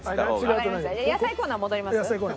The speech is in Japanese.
野菜コーナー戻ります？